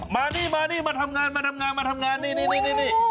มานี่มานี่มาทำงานมาทำงานมาทำงานนี่